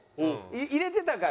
入れてたから。